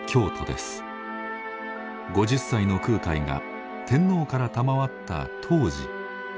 ５０歳の空海が天皇から賜った東寺。